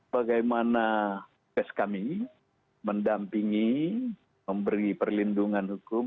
bagaimana pes kami mendampingi memberi perlindungan hukum